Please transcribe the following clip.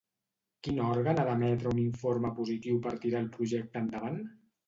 Quin òrgan ha d'emetre un informe positiu per tirar el projecte endavant?